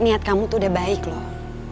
niat kamu tuh udah baik loh